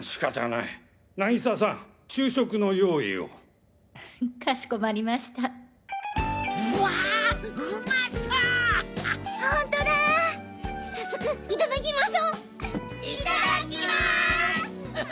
いただきます！